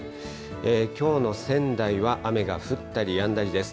きょうの仙台は雨が降ったりやんだりです。